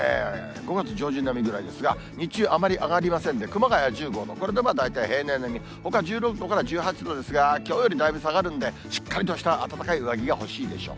５月上旬並みぐらいですが、日中あまり上がりませんで、熊谷１５度、これでまあ、大体平年並み、ほか１６度から１８度ですが、きょうよりだいぶ下がるんで、しっかりとした暖かい上着が欲しいでしょう。